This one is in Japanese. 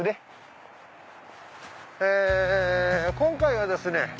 今回はですね